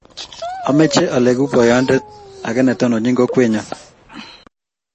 Ameche aleku boyonde age netonchini kokwet nyo.